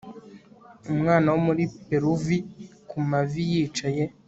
umwana wo muri peruvi ku mavi yicaye